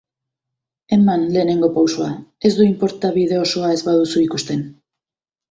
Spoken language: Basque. Eman lehenengo pausoa, ez du importa bide osoa ez baduzu ikusten.